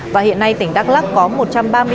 và hiện nay tỉnh đắk lắk có một trăm ba mươi tám học sinh